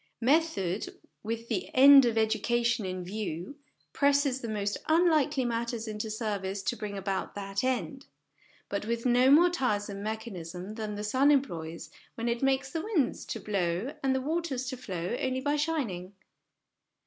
Method, with the end of education in view, presses the most unlikely matters into service to bring about that end; but with no more tiresome mechanism than the sun employs when it makes the winds to blow and the waters to flow only by shining.